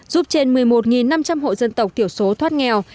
giúp trên một mươi một năm trăm linh hộ dân tộc thiểu số thoát nghèo